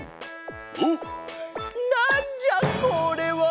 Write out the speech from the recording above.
おっなんじゃこれは！